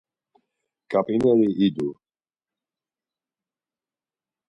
Ǩap̌ineri idu.